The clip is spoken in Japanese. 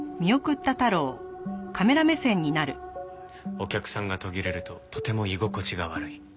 お客さんが途切れるととても居心地が悪い。